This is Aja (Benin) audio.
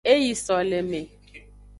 E yi soleme.